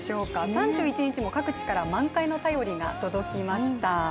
３１日も各地から満開の便りが届きました。